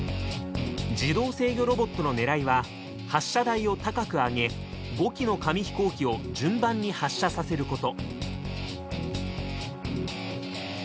自動制御ロボットの狙いは発射台を高く上げ５機の紙飛行機を順番に発射させること。